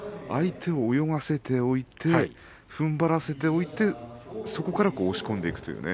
相手を泳がせておいてふんばらせておいてそこから押し込んでいく。